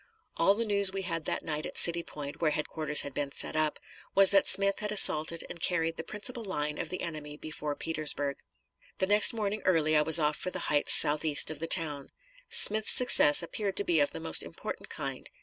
All the news we had that night at City Point, where headquarters had been set up, was that Smith had assaulted and carried the principal line of the enemy before Petersburg. The next morning early I was off for the heights southeast of the town. Smith's success appeared to be of the most important kind.